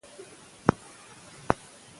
میرویس نیکه د پښتنو د تاریخ ویاړ دی.